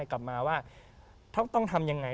กลับมาว่าต้องทำยังไง